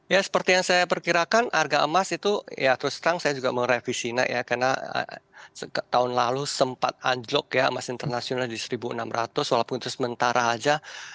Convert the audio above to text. ya seperti yang saya perkirakan harga emas itu ya terus terang saya juga merevisi ya karena tahun lalu sempat anjlok ya emas internasional di satu enam ratus walaupun itu sementara aja